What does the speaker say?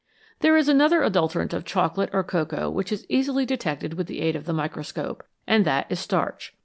There is another adulterant of chocolate or cocoa which is easily detected with the aid of the microscope, and that is starch.